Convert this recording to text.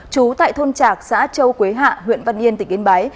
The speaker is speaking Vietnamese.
trú tại thôn trạc xã châu quế hạ huyện văn yên tỉnh yên bái